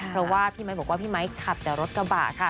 เพราะว่าพี่ไมค์บอกว่าพี่ไมค์ขับแต่รถกระบะค่ะ